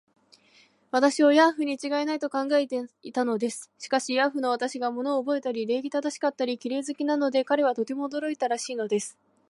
私をヤーフにちがいない、と考えていたのです。しかし、ヤーフの私が物をおぼえたり、礼儀正しかったり、綺麗好きなので、彼はとても驚いたらしいのです。